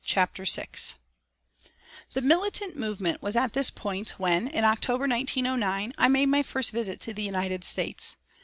CHAPTER VI The militant movement was at this point when, in October, 1909, I made my first visit to the United States.